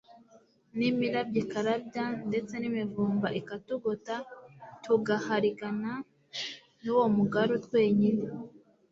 n'imirabyo ikarabya ndetse n'imivumba ikatugota tugaharigana n'uwo mugaru twenyine